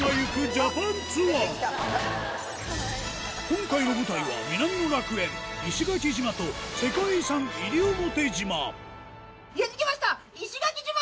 今回の舞台は南の楽園石垣島と世界遺産西表島やって来ました石垣島！